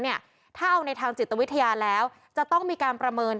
ถ้าเอาในทางจิตวิทยาแล้วจะต้องมีการประเมิน